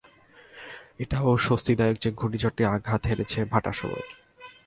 এটাও স্বস্তিদায়ক যে ঘূর্ণিঝড়টি আঘাত হেনেছে ভাটার সময়।